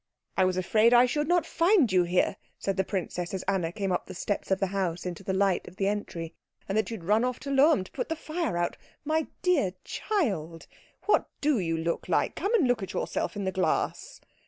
"I was afraid I should not find you here," said the princess as Anna came up the steps of the house into the light of the entry, "and that you had run off to Lohm to put the fire out. My dear child, what do you look like? Come and look at yourself in the glass."